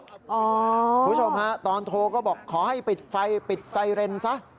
คุณผู้ชมฮะตอนโทรก็บอกขอให้ปิดไฟปิดไซเรนซะ